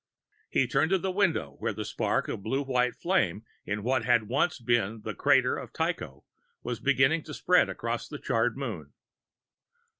He turned to the window, where the spark of blue white flame in what had once been the crater of Tycho was beginning to spread across the charred moon.